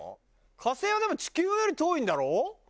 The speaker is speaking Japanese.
火星はでも地球より遠いんだろ？